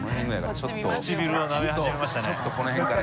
ちょっとこの辺から。